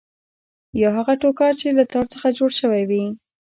یا هغه ټوکر چې له تار څخه جوړ شوی وي.